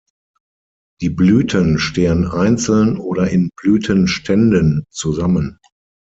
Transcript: Die Blüten stehen einzeln oder in Blütenständen zusammen.